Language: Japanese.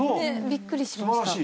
びっくりしました。